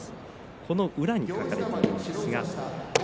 この裏に書かれています